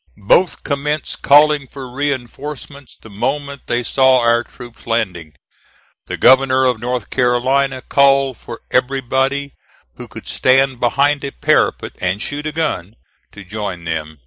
Both commenced calling for reinforcements the moment they saw our troops landing. The Governor of North Carolina called for everybody who could stand behind a parapet and shoot a gun, to join them.